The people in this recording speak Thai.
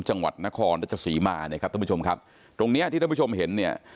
จังหวัดนครรัฐสีมาตรงนี้ที่ท่านผู้ชมเห็น